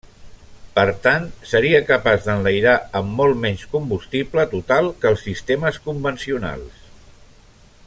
Per tant, seria capaç d'enlairar amb molt menys combustible total que els sistemes convencionals.